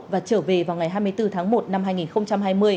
và trở về vào ngày hai mươi bốn tháng một năm hai nghìn hai mươi